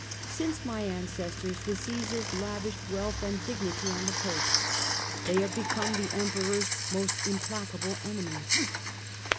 " Since my ancestors the Caesars lavished wealth and dignity on the Popes, they have become the Emperor's most implacable enemies.